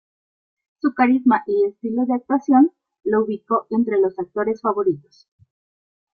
Su carisma y estilo de actuación lo ubicó entre los actores favoritos.